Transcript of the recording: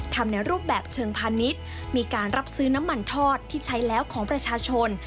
ในรูปแบบเชิงพาณิชย์มีการรับซื้อน้ำมันทอดที่ใช้แล้วของประชาชน